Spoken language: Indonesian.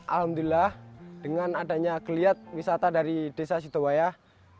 alhamdulillah dengan adanya geliat wisata dari desa sidowayah